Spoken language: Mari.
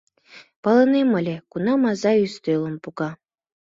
— Палынем ыле, кунам аза ӱстелым пога.